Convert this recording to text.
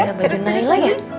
tinggal baju naila ya